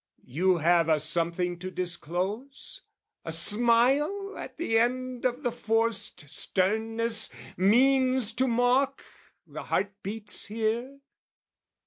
You have a something to disclose? a smile, At end of the forced sternness, means to mock The heart beats here?